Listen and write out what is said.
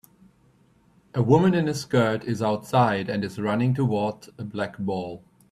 A woman in a skirt is outside and is running toward a black ball.